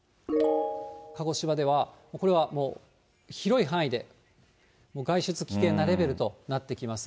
鹿児島では、これはもう広い範囲で、外出危険なレベルとなってきます。